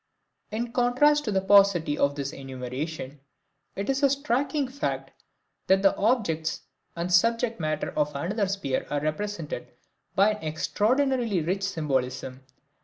In contrast to the paucity of this enumeration, it is a striking fact that the objects and subject matter of another sphere are represented by an extraordinarily rich symbolism.